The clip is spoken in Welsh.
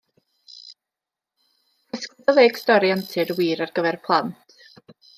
Casgliad o ddeg stori antur wir ar gyfer plant.